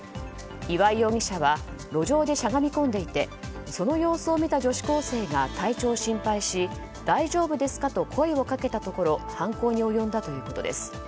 岩井容疑者は路上でしゃがみ込んでいてその様子を見た女子高生が体調を心配し大丈夫ですか？と声をかけたところ犯行に及んだということです。